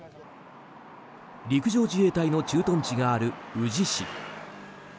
陸上自衛隊の駐屯地がある宇治市。